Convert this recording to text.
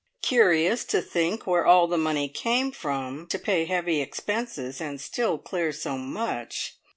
Curious to think where all the money came from to pay heavy expenses, and still clear so much!